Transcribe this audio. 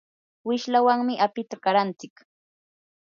wishlawanmi apita qarantsik.